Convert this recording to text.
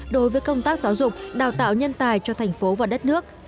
đối với công tác giáo dục đào tạo nhân tài cho thành phố và đất nước